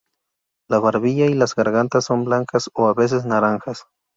La barbilla y las gargantas son blancas o a veces naranjas.